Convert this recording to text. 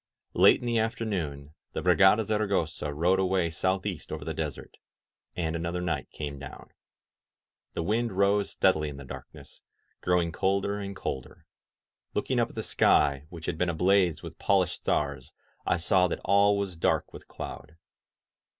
Late in the afternoon the Brigada Zaragosa rode away southeast over the desert, and another night came down. The wind rose steadily in the darkness, growing colder and colder. Looking up at the sky, which had been ablaze with polished stars, I saw that all was dark with cloud.